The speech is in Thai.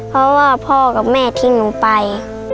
เพราะว่าพ่อกับแม่ทิ้งหนูไป